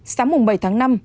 sáng bảy tháng năm